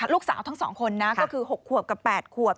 ลูกสาวทั้งสองคนก็คือ๖บอบกับ๘บอบ